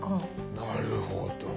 なるほど。